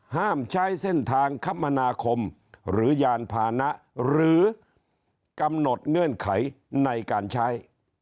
ห้ามใช้เส้นทางคมนาคมหรือยานพานะหรือกำหนดเงื่อนไขในการใช้